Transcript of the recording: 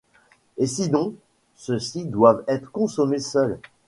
Et sinon, ceux-ci doivent être consommés seuls.